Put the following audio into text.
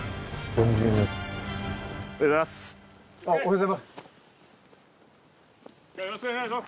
おはようございます。